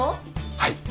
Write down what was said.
はい。